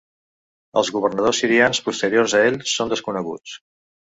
Els governadors sirians posteriors a ell són desconeguts.